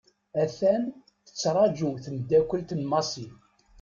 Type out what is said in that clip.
A-t-an tettraju temddakelt n Massi .